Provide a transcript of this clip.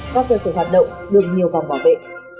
góp cơ sở hoạt động đường nhiều vòng bảo vệ